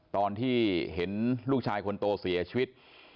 ตอนที่เห็นลูกชายคนโตเสียชีวิต